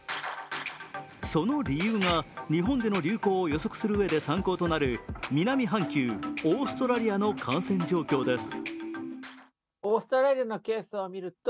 その理由が、日本での流行を予測するうえで参考となる南半球・オーストラリアの感染状況です。